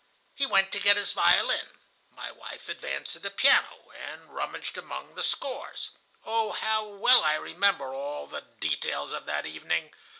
He went to get his violin; my wife advanced to the piano, and rummaged among the scores. Oh, how well I remember all the details of that evening!